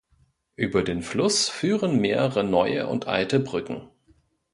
Über den Fluss führen mehrere neue und alte Brücken.